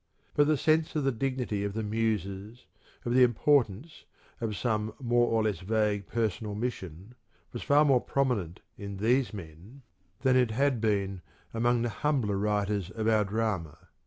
But the sense of the dignity of the Muses, of the importance of some more or less vague personal mission, was far more prominent in these men than it had been among the humbler writers of our drama.